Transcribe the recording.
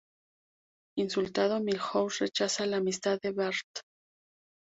Insultado, Milhouse rechaza la amistad de Bart.